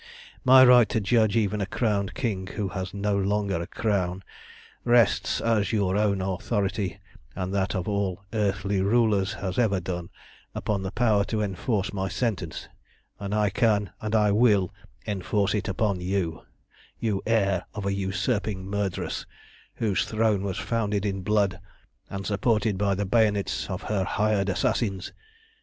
My right to judge even a crowned king who has no longer a crown, rests, as your own authority and that of all earthly rulers has ever done, upon the power to enforce my sentence, and I can and will enforce it upon you, you heir of a usurping murderess, whose throne was founded in blood and supported by the bayonets of her hired assassins.